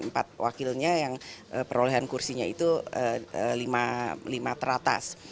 di mana ada empat wakilnya yang perolehan kursinya itu lima teratas